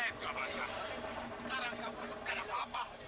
sekarang kau buat apa apa